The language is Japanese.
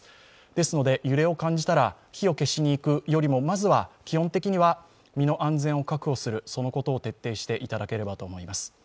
ですので、揺れを感じたら火を消しにいくよりもまずは基本的には身の安全を確保することを徹底していただければと思います。